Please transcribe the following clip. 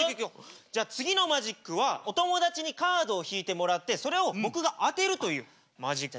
じゃあ次のマジックはお友達にカードを引いてもらってそれを僕が当てるというマジックをね。